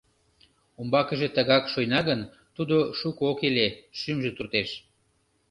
«Умбакыже тыгак шуйна гын, тудо шуко ок иле», — шӱмжӧ туртеш.